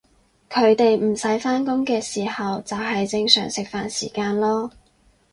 佢哋唔使返工嘅时候就係正常食飯時間囉